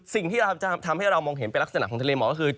สิ่งที่เราจะทำให้เรามองเห็นเป็นลักษณะของทะเลหมอก็คือ